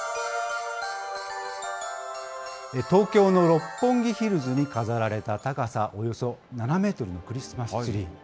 東京の六本木ヒルズに飾られた高さおよそ７メートルのクリスマスツリー。